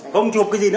không chụp cái gì nữa